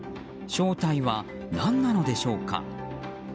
正体は何なのでしょうか。